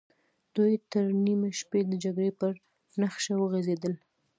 دوی تر نيمې شپې د جګړې پر نخشه وغږېدل.